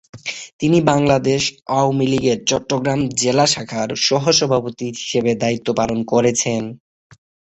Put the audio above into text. তিনি বাংলাদেশ আওয়ামী লীগের চট্টগ্রাম জেলা শাখার সহ-সভাপতি হিসাবে দায়িত্ব পালন করেছেন।